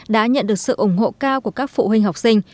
đã nhận được sự ủng hộ cao của các phụ huynh học sinh